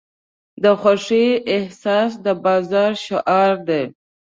د خوښۍ احساس د بازار شعار دی.